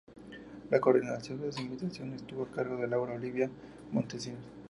La coordinación de su invitación estuvo a cargo de Laura Olivia Montesinos.